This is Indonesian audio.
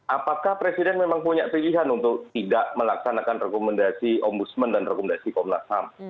apakah presiden memang punya pilihan untuk tidak melaksanakan rekomendasi ombudsman dan rekomendasi komnas ham